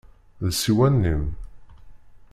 D ssiwan-im?